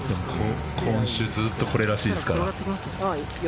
今週ずっとこれらしいですから。